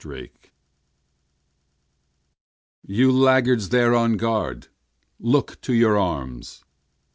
37 You laggards there on guard! look to your arms!